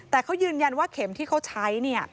แต่เขายืนยันว่าเข็มที่เขาใช้